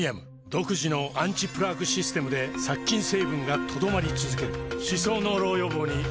独自のアンチプラークシステムで殺菌成分が留まり続ける歯槽膿漏予防にプレミアム